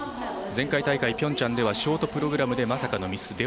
前回大会、ピョンチャンではショートプログラムでまさかのミス。